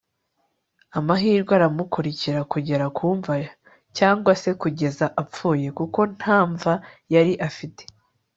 amahirwe aramukurikira kugera ku mva, cyangwa se kugeza apfuye, kuko nta mva yari afite